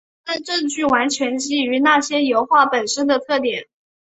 他的证据完全基于那些油画本身的特点。